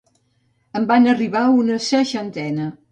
En van arribar una seixantena.